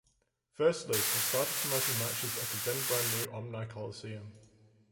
Firstly, it started promoting matches at the then-brand-new Omni Coliseum.